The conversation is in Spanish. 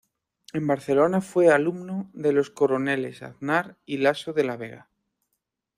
En Barcelona fue alumno de los coroneles Aznar y Laso de la Vega.